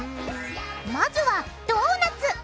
まずはドーナツ！